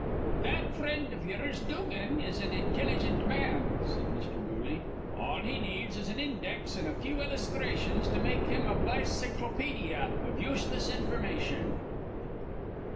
"That frind iv ye'ers, Dugan, is an intilligent man," said Mr. Dooley. "All he needs is an index an' a few illusthrations to make him a bicyclopedja iv useless information."